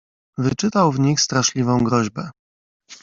"Wyczytał w nich straszliwą groźbę."